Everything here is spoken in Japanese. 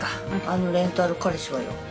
あのレンタル彼氏はよ？